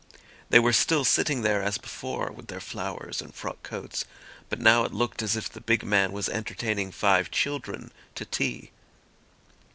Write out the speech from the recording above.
They were still sitting there as before with their flowers and frock coats, but now it looked as if the big man was entertaining five children to tea.